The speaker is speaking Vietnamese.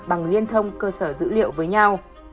bằng liên thông cơ sở dữ liệu với nhau